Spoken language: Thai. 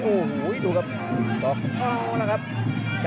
กองหวัดดวงซอกระมังเหลืองั้นกับผู้ดี